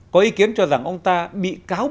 có ý kiến cho rằng ông ta bị cáo